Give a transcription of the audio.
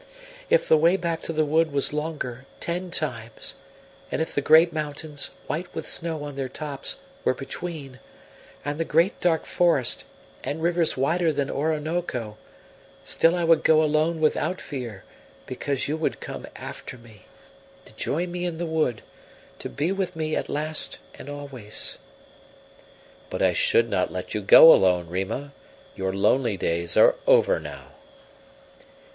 If the way back to the wood was longer, ten times, and if the great mountains, white with snow on their tops, were between, and the great dark forest, and rivers wider than Orinoco, still I would go alone without fear, because you would come after me, to join me in the wood, to be with me at last and always." "But I should not let you go alone, Rima your lonely days are over now."